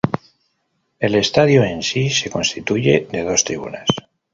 El estadio en sí se constituye de dos tribunas.